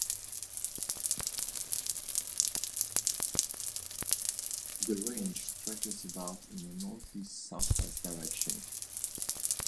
The range stretches about in a northeast-southwest direction.